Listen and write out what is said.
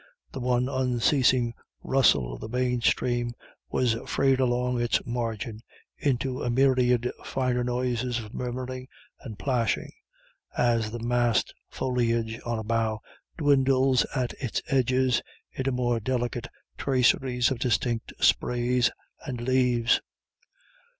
The one unceasing rustle of the main stream was frayed along its margin into a myriad finer noises of murmuring and plashing, as the massed foliage on a bough dwindles at its edges into more delicate traceries of distinct sprays and leaves.